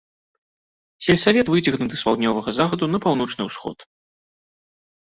Сельсавет выцягнуты з паўднёвага захаду на паўночны ўсход.